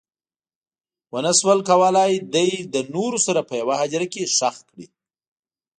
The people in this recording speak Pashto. ونه شول کولی دی له نورو سره په یوه هدیره کې ښخ کړي.